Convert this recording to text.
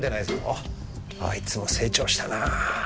あいつも成長したなあ。